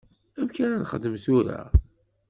Amek ara nexdem tura?